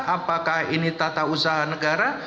apakah ini tata usaha negara